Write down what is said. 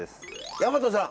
大和さん。